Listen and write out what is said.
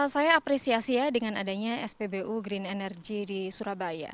saya apresiasi ya dengan adanya spbu green energy di surabaya